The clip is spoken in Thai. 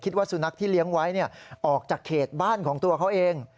คิดว่าสุนัขที่เลี้ยงไว้ออกจากเขตบ้านของตัวเขาเอง